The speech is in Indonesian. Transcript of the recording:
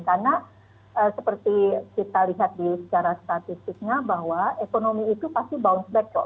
karena seperti kita lihat secara statistiknya bahwa ekonomi itu pasti bounce back